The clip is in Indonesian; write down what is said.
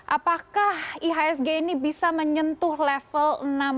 apakah ihsg ini bisa menyentuh level enam